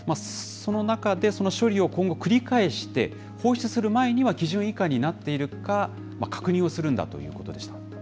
その中でその処理を今後繰り返して、放出する前には基準以下になっているか、確認をするんだということでした。